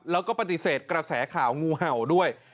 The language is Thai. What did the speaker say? แล้วก็ปฏิเสธกระแสข่าวงูเห่าด้วย